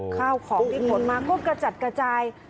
ข้าวของที่ขนมาก็กระจัดกระจาย